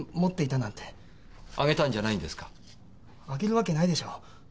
あげるわけないでしょう。